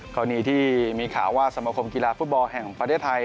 กรณีที่มีข่าวว่าสมคมกีฬาฟุตบอลแห่งประเทศไทย